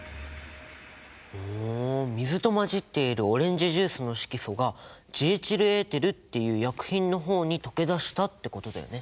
ほう水と混じっているオレンジジュースの色素がジエチルエーテルっていう薬品の方に溶け出したってことだよね。